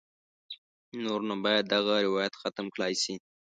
نور نو باید دغه روایت ختم کړای شي.